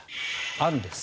案です。